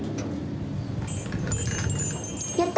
やった！